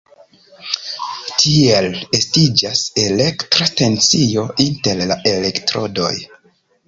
Tiel estiĝas elektra tensio inter la elektrodoj.